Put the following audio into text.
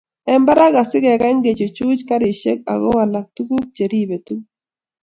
eng barak asigegany kechuchuch karishek ago walak tuguk cheribe tuguk